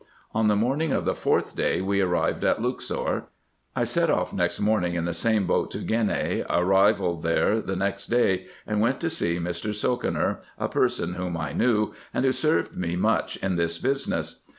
On the morning of the fourth day we arrived at Luxor. I set off next morning in the same boat to Gheneh, arrived there the next day, and went to see Mr. Sokiner, a person whom I knew, and who served me much in tins business.